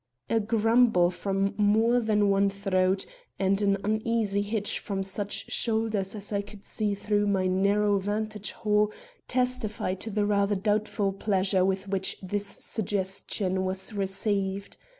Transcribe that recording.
A grumble from more than one throat and an uneasy hitch from such shoulders as I could see through my narrow vantage hole testified to the rather doubtful pleasure with which this suggestion was received.